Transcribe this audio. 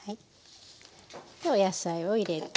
でお野菜を入れて。